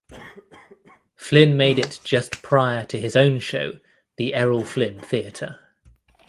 Flynn made it just prior to his own show "The Errol Flynn Theatre".